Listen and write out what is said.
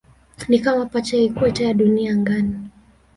Ni kama pacha ya ikweta ya Dunia angani.